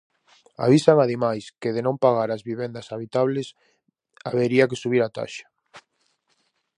Avisan ademais que "de non pagar as vivendas habitables, habería que subir a taxa".